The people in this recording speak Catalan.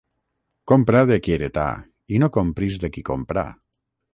Compra de qui heretà i no compris de qui comprà.